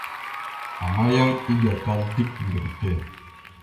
Ama yan ege akal dik ndar tte.